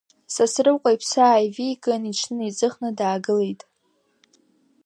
Сасрыҟәа иԥсы ааивиган, иҽынеиҵыхны даагылеит.